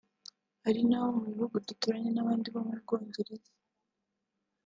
hari n’abo mu bihugu duturanye n’abandi bo mu Bwongereza